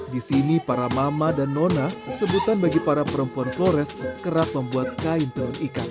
di sini para mama dan nona sebutan bagi para perempuan flores kerap membuat kain tenun ikan